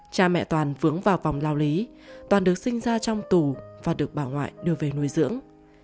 cha mẹ toàn vướng vào vòng lao lý toàn được sinh ra trong tù và được bà ngoại đưa về nuôi dưỡng